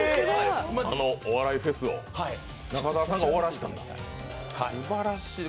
あのお笑いフェスを中澤さんが終わらせたんだ、すばらしい。